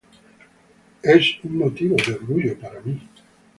Es un motivo de orgullo para mí.